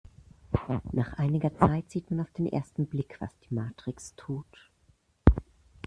Nach einiger Zeit sieht man auf den ersten Blick, was die Matrix tut.